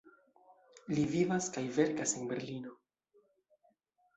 Li vivas kaj verkas en Berlino.